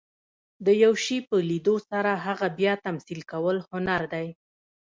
د یو شي په لیدلو سره هغه بیا تمثیل کول، هنر دئ.